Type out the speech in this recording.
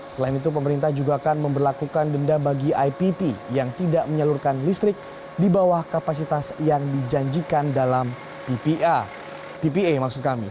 selain itu pemerintah juga akan memperlakukan denda bagi ipp yang tidak menyalurkan listrik di bawah kapasitas yang dijanjikan dalam ppa